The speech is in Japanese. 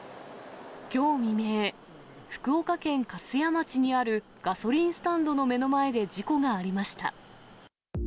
きょう未明、福岡県粕屋町にあるガソリンスタンドの目の前で事故がありました。